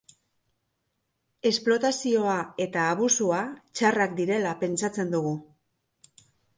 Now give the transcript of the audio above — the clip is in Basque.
Esplotazioa eta abusua txarrak direla pentsatzen dugu.